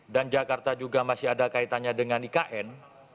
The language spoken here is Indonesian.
dan jakarta juga masih ada kaitannya dengan ikn